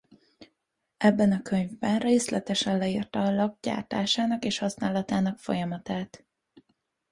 Ebben a könyvben részletesen leírta a lakk gyártásának és használatának a folyamatát.